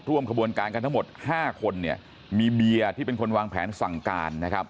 ร่วมขบวนการกันทั้งหมด๕คนเนี่ยมีเบียร์ที่เป็นคนวางแผนสั่งการนะครับ